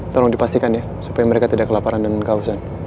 tolong dipastikan ya supaya mereka tidak kelaparan dan kehausan